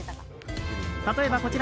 例えば、こちら。